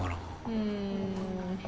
うん。